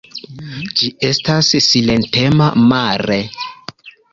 Ĝi estas silentema mare.